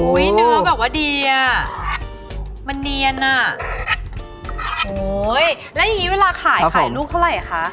เนื้อแบบว่าดีอ่ะมันเนียนอ่ะโอ้ยแล้วอย่างงี้เวลาขายขายลูกเท่าไหร่คะ